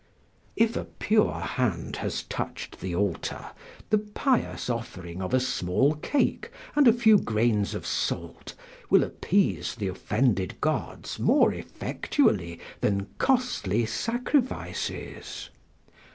["If a pure hand has touched the altar, the pious offering of a small cake and a few grains of salt will appease the offended gods more effectually than costly sacrifices."